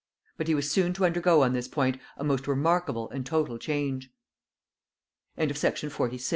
But he was soon to undergo on this point a most remarkable and total change. The mind of the earl of E